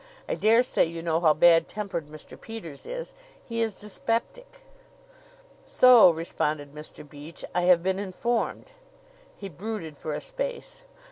"I dare say you know how bad tempered Mr. Peters is. He is dyspeptic." "So," responded Mr. Beach, "I have been informed." He brooded for a space.